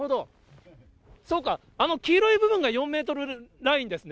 そうか、あの黄色い部分が４メートルラインですね。